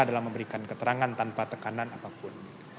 dalam memberikan keterangan tanpa tekanan apapun